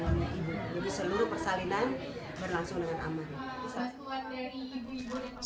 jadi seluruh persalinan berlangsung dengan aman